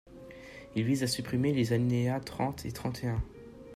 Il vise à supprimer les alinéas trente et trente et un.